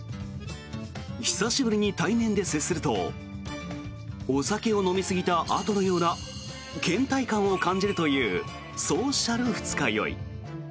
久しぶりに対面で接するとお酒を飲み過ぎたあとのようなけん怠感を感じるというソーシャル二日酔い。